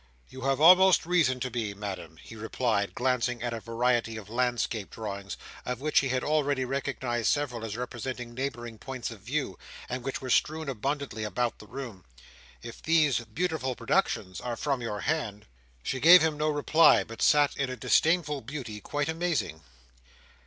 "You have almost reason to be, Madam," he replied, glancing at a variety of landscape drawings, of which he had already recognised several as representing neighbouring points of view, and which were strewn abundantly about the room, "if these beautiful productions are from your hand." She gave him no reply, but sat in a disdainful beauty, quite amazing.